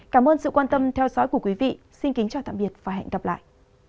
cảm ơn sự quan tâm theo dõi của quý vị xin kính chào tạm biệt và hẹn gặp lại